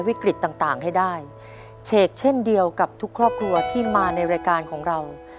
ต่างต่างให้ได้เฉกเช่นเดียวกับทุกครอบครัวที่มาในรายการของเรา